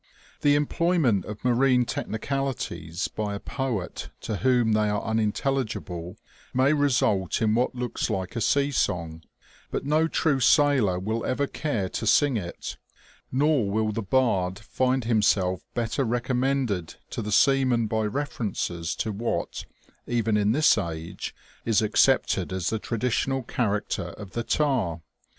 The employment of marine technicalities by a poet to whom they are unintelligible, may result in what looks like a sea song, but no true sailor will ever care to sing it ; nor will the bard find himself better recommended to the seaman by references to what, even in this age, is accepted as the traditional character of the tar.